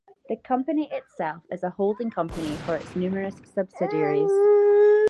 The company itself is a holding company for its numerous subsidiaries.